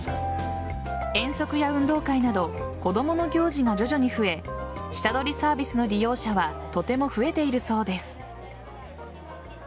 遠足や運動会など子供の行事が徐々に増え下取りサービスの利用者はとても増えているそうです。